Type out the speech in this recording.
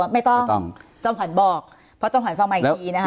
ไม่ต้องจำขันบอกเพราะจำขันฟังมาอีกทีนะครับ